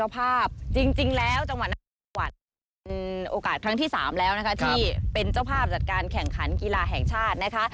เป็นโอกาสครั้งที่๓แล้วนะคะที่เป็นเจ้าภาพจัดการแข่งขันกีฬาแห่งชาตินะคะ